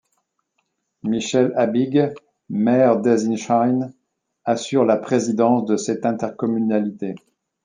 Michel Habig, Maire d’Ensisheim, assure la présidence de cette intercommunalité.